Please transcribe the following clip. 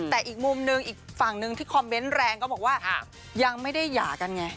แต่อีกมุมนึงอีกฝั่งหนึ่งที่คอมเมนต์แรงก็บอกว่ายังไม่ได้หย่ากันไง